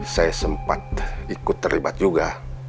saya sempat ikut terlibat juga